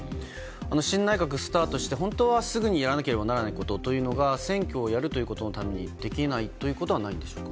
新内閣スタートして本当はすぐにやらなければいけないことというのが選挙をやるということのためにできないということはないんですか。